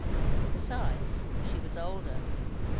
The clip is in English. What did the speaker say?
Besides, she was older.